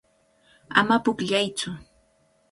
Ama pukllaytsu.